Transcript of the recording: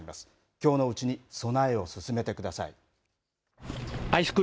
きょうのうちに備えを進めてください。